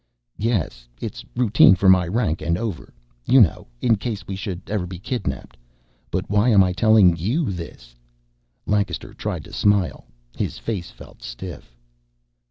"Yes. It's routine for my rank and over, you know. In case we should ever be kidnapped but why am I telling you this?" Lancaster tried to smile. His face felt stiff.